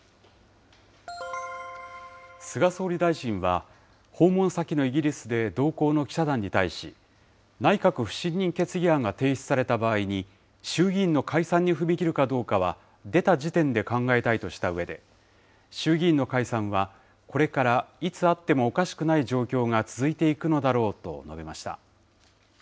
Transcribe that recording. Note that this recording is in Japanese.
菅総理大臣は、訪問先のイギリスで同行の記者団に対し、内閣不信任決議案が提出された場合に、衆議院の解散に踏み切るかどうかは出た時点で考えたいとしたうえで、衆議院の解散はこれからいつあってもおかしくない状況が続いていくのだろうと述べました。